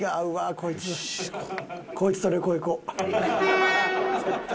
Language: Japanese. こいつと旅行行こう絶対。